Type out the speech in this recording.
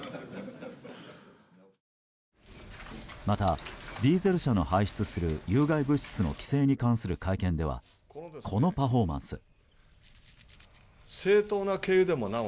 また、ディーゼル車の排出する有害物質の規制に関する会見ではこのパフォーマンス。